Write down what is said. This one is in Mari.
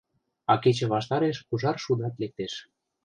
А кече ваштареш ужар шудат лектеш.